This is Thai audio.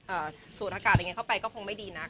สูดอากาศอะไรอย่างเงี้เข้าไปก็คงไม่ดีนัก